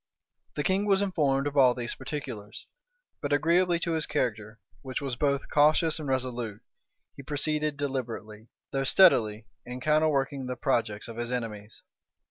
The king was informed of all these particulars; but agreeably to his character, which was both cautious and resolute, he proceeded deliberately, though steadily, in counterworking the projects of his enemies.